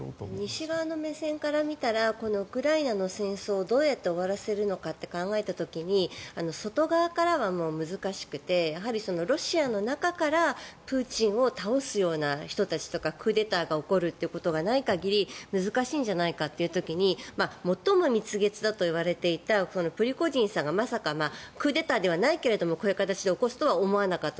西側の目線から見たらこのウクライナの戦争をどうやって終わらせられるのかって考えた時に外側からは難しくてやはりロシアの中からプーチンを倒すような人たちとかクーデターが起こるっていうことがない限り難しいんじゃないかという時に最も蜜月だといわれていたこのプリゴジンさんがまさかクーデターではないけれどもこういう形で起こすとは思わなかった。